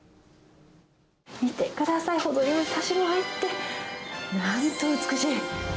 見てください、程よいサシが入って、なんと美しい。